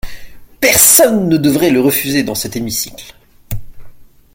Personne ne devrait le refuser dans cet hémicycle.